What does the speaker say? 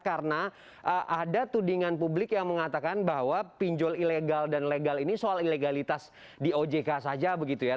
karena ada tudingan publik yang mengatakan bahwa pinjol ilegal dan legal ini soal ilegalitas di ojk saja begitu ya